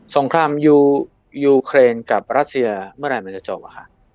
งครามยูเครนกับรัสเซียเมื่อไหร่มันจะจบอะค่ะ